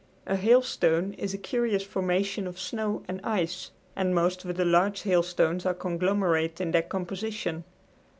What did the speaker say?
A hailstone is a curious formation of snow and ice, and most of the large hailstones are conglomerate in their composition.